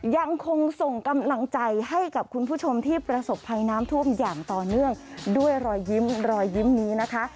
ยังคงส่งกำลังใจให้กับคุณผู้ชมที่ประสบภัยน้ำท่วมอย่างต่อเนื่องด้วยรอยยิ้มรอยยิ้มนี้นะคะ